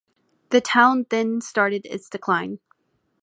The town then started its decline.